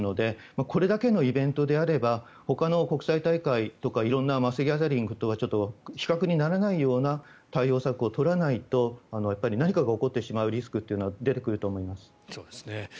これだけのイベントであればほかの国際大会とかとは比較にならないような対応策を取らないと何かが起こってしまうリスクは起こると思います。